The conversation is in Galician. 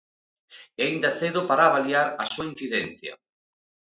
É aínda cedo para avaliar a súa incidencia.